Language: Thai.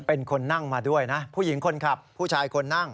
เป็นคนนั่งมาด้วยนะผู้หญิงคนขับผู้ชายคนนั่ง